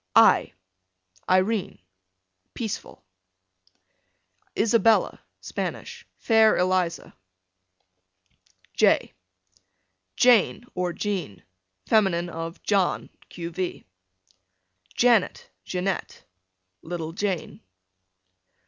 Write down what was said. I Irene, peaceful. Isabella, Spanish, fair Eliza. J Jane, or Jeanne, fem. of John, q.v. Janet, Jeanette, little Jane.